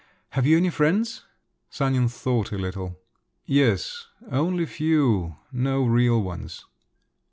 Have you any friends?" Sanin thought a little. "Yes … only few. No real ones."